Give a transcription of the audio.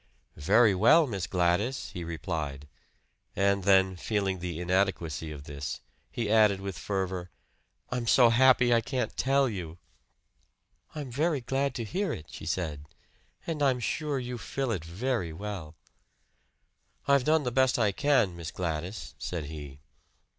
"Very well, Miss Gladys," he replied; and then, feeling the inadequacy of this, he added with fervor, "I'm so happy I can't tell you." "I'm very glad to hear it," she said. "And I'm sure you fill it very well." "I've done the best I can, Miss Gladys," said he.